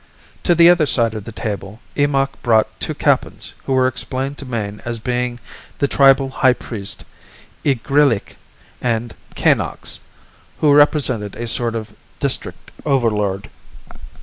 To the other side of the table, Eemakh brought two Kappans who were explained to Mayne as being the tribal high priest, Igrillik, and Kaynox, who represented a sort of district overlord.